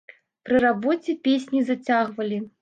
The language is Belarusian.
Пры рабоце песні зацягвалі.